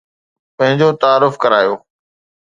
پنهنجو تعارف ڪرايو